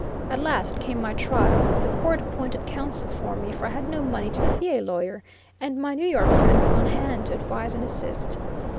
At last came my trial. The court appointed counsel for me, for I had no money to fee a lawyer, and my New York friend was on hand to advise and assist.